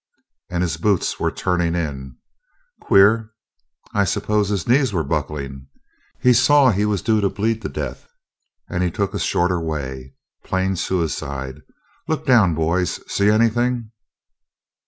And his boots were turning in. Queer. I suppose his knees were buckling. He saw he was due to bleed to death and he took a shorter way! Plain suicide. Look down, boys! See anything?"